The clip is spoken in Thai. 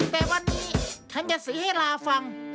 แต่วันนี้ฉันจะสีให้ลาฟัง